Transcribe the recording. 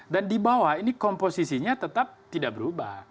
dan di bawah ini komposisinya tetap tidak berubah